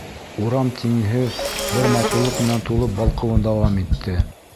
Урам тиңһеҙ бер матурлыҡ менән тулып балҡыуын дауам итте.